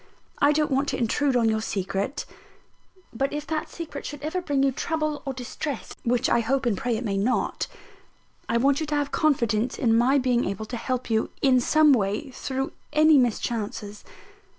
I don't want to intrude on your secret; but if that secret should ever bring you trouble or distress (which I hope and pray it may not), I want you to have confidence in my being able to help you, in some way, through any mischances.